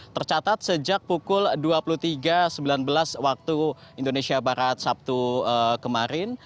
tercatat sejak pukul dua puluh tiga sembilan belas waktu indonesia barat sabtu kemarin